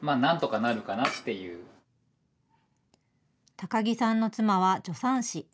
高木さんの妻は助産師。